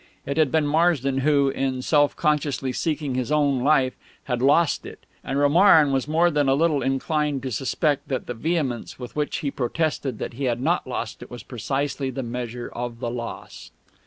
It had been Marsden who, in self consciously seeking his own life, had lost it, and Romarin was more than a little inclined to suspect that the vehemence with which he protested that he had not lost it was precisely the measure of the loss.